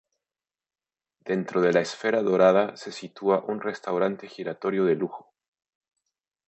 Dentro de la esfera dorada se sitúa un restaurante giratorio de lujo.